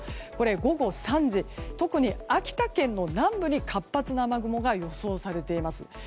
午後３時、特に秋田県の南部に活発な雨雲が予想されています。